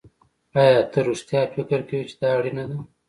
ایا ته رښتیا فکر کوې چې دا اړینه ده